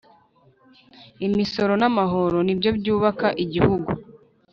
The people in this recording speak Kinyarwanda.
imisoro namahoro nibyo byubaka igihugu